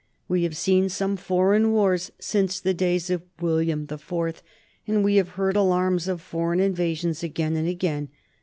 We have seen some foreign wars since the days of William the Fourth, and we have heard alarms of foreign invasion again and again.